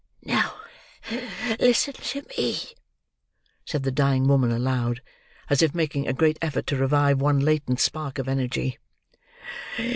"Now listen to me," said the dying woman aloud, as if making a great effort to revive one latent spark of energy.